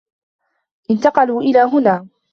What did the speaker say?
انتقلوا إلى هنا.